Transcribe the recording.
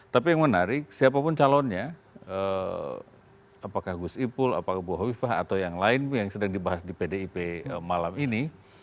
tapi yang menarik siapapun calonnya apakah gus ipul apakah bu hovifah atau yang lain yang sedang dibahas di pdip malam ini